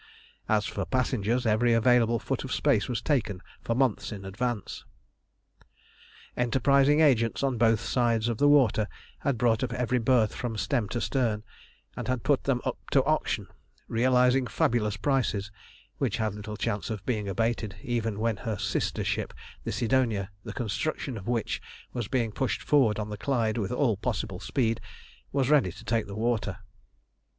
As for passengers, every available foot of space was taken for months in advance. Enterprising agents on both sides of the water had bought up every berth from stem to stern, and had put them up to auction, realising fabulous prices, which had little chance of being abated, even when her sister ship the Sidonia, the construction of which was being pushed forward on the Clyde with all possible speed, was ready to take the water.